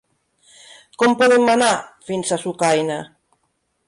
Com podem anar fins a Sucaina?